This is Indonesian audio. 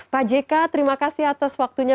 pak jk terima kasih atas waktunya